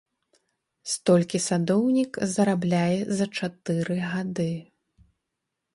Столькі садоўнік зарабляе за чатыры гады.